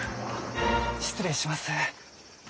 失礼します。